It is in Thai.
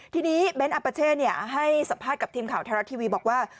ทีนี้เบ้นอัปเช่ให้สัมภาษณ์กับทีมข่าวไทยรัฐทีวีบอกว่า